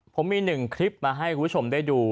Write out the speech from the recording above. ผมมีหนึ่งคลิปมาให้คุณผู้ชมได้ดู